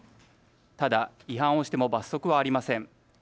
ただ違反をしても罰則はありません。